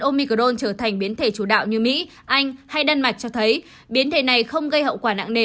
ông micron trở thành biến thể chủ đạo như mỹ anh hay đan mạch cho thấy biến thể này không gây hậu quả nặng nề